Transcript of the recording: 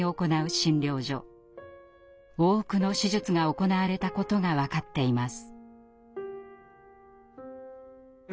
多くの手術が行われたことが分かっています。